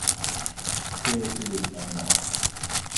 เอ ฟิลลิป แรนดอ